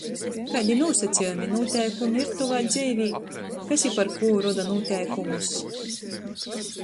Kaidi nūsacejumi, nūteikumi ir tovā dzeivē? Kas i parkū roda nūteikumus?